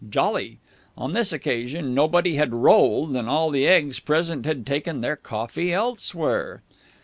Jolly! On this occasion nobody had rolled, and all the eggs present had taken their coffee elsewhere.